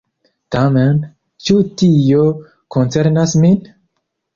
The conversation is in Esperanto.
Tamen, ĉu tio koncernas min?